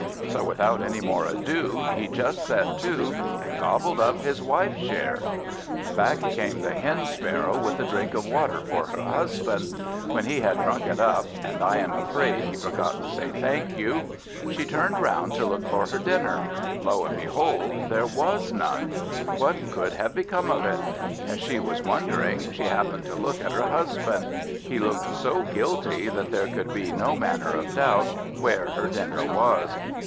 So without any more ado, he just set to, and gobbled up his wife's share. Back came the Hen sparrow with a drink of water for her husband. When he had drunk it up (and I am afraid he forgot to say thank you), she turned round to look for her dinner. Lo and behold! there was none. What could have become of it? As she was wondering, she happened to look at her husband; he looked so guilty that there could be no manner of doubt where her dinner was.